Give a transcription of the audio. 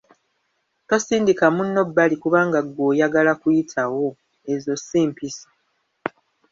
"Tosindika munno bbali kubanga ggwe oyagala kuyitawo, ezo si mpisa."